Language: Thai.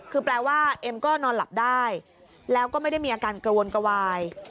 คือแปลว่าเอ็มก็นอนหลับได้แล้วก็ไม่ได้มีอาการกระวนกระวาย